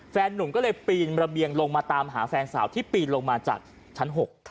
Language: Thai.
แฟนนุ่มก็เลยปีนระเบียงลงมาตามหาแฟนสาวที่ปีนลงมาจากชั้น๖